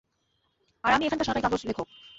আর আমি এখানকার সরকারি কাগজ লেখক।